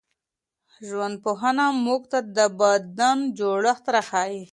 ژوندپوهنه موږ ته د بدن جوړښت راښيي.